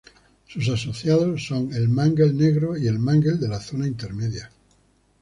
Sus asociados son el mangle negro y el mangle de la zona intermedia.